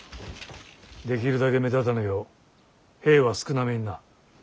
できるだけ目立たぬよう兵は少なめにな。